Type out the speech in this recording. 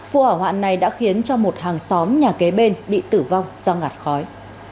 vụ hỏa hoạn này đã khiến cho một hàng xóm nhà kế bên bị tử vong do ngạt khói